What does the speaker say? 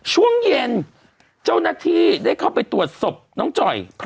ช่วงเย็นเจ้าหน้าที่ได้เข้าไปตรวจศพน้องจ่อย